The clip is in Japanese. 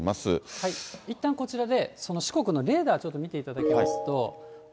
いったん、こちらで四国のレーダーちょっと見ていただきますと。